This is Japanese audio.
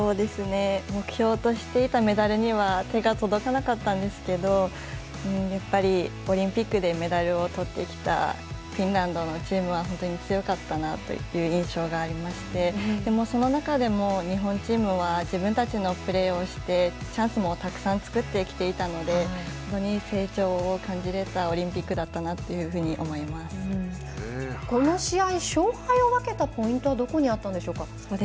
目標としていたメダルには手が届かなかったんですけどやっぱりオリンピックでメダルを取ってきたフィンランドのチームは本当に強かったなという印象がありましてその中でも日本チームは自分たちのプレーをしてチャンスもたくさん作ってきていたので本当に成長を感じれたオリンピックだったなというふうにこの試合勝敗を分けたポイントはどこにあったんでしょうか。